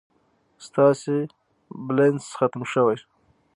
ستاسي بلينس ختم شوي